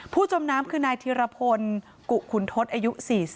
จมน้ำคือนายธิรพลกุขุนทศอายุ๔๐